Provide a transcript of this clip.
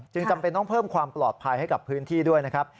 จำเป็นต้องเพิ่มความปลอดภัยให้กับพื้นที่ด้วยนะครับ